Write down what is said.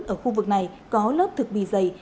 ở khu vực này có lớp thực bì dày